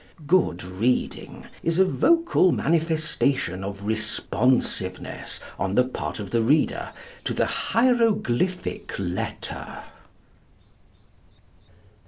Good reading is a vocal manifestation of responsiveness, on the part of the reader, to the hieroglyphic letter.